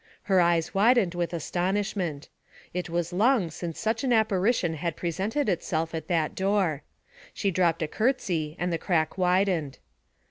Her eyes widened with astonishment. It was long since such an apparition had presented itself at that door. She dropped a curtsy, and the crack widened.